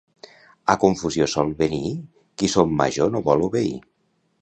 A confusió sol venir qui son major no vol obeir.